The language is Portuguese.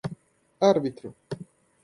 árbitro